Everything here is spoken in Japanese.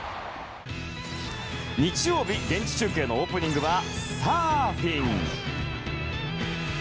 日曜日、現地中継のオープニングはサーフィン。